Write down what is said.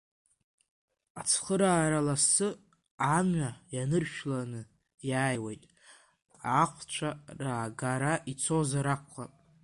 Ацхыраара ласы амҩа ианыршәланы иааиуеит, ахәцәа раагара ицозар акәхап.